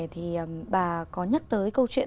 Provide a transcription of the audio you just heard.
thì bà có nhắc tới câu chuyện